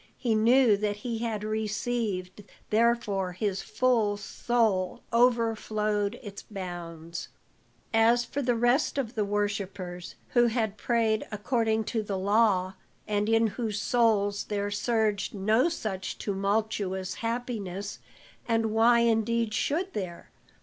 He knew that he had received, therefore his full soul overflowed its bounds. As for the rest of the worshippers, who had prayed according to the law, and in whose souls there surged no such tumultuous happiness and why indeed should there?